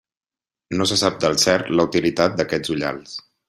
No se sap del cert la utilitat d'aquests ullals.